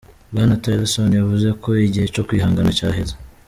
Bwana Tillerson yavuze ko igihe co kwihangana caheze.